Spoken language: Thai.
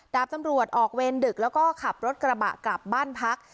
ดาบตำรวจออกเวรดึกแล้วก็ขับรถกระบะกลับบ้านพัก